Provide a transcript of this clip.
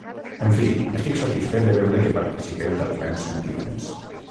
En fi, estic satisfet de veure que participeu dels meus sentiments.